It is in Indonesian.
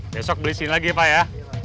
besok beli sini lagi pak ya